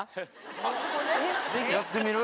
やってみる？